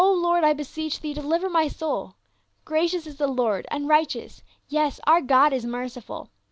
Lord, I beseech thee, deliver my soul ! Gracious is the Lord, and righteous : Yea, our God is merciful.